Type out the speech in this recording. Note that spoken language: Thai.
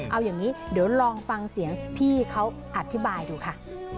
เอาอย่างนี้เดี๋ยวลองฟังเสียงพี่เขาอธิบายดูค่ะ